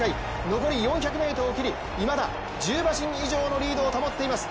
残り４００ｍを切りいまだ１０馬身以上のリードを保っています。